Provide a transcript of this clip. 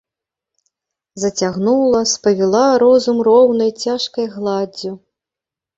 Зацягнула, спавіла розум роўнай, цяжкай гладдзю.